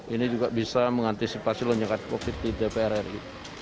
ini juga bisa mengantisipasi lonjakan covid di dpr ri